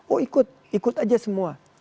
oh ikut ikut aja semua